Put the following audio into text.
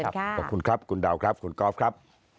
ขอบคุณครับคุณดาวครับคุณกอล์ฟครับ